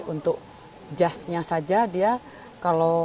untuk jasnya saja dia